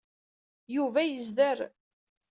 Yuba yezder.